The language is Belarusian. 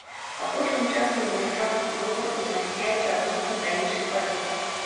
Апошнім часам амерыканскі долар узмацняецца адносна да іншых валют.